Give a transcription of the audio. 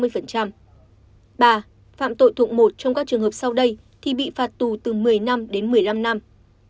bà phạm tội thuộc một trong các trường hợp sau đây thì bị phạt tù từ một mươi năm đến một mươi năm năm